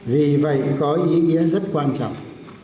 vì vậy có ý nghĩa rất quan trọng